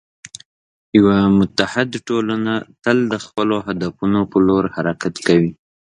یوه متعهد ټولنه تل د خپلو هدفونو په لور حرکت کوي.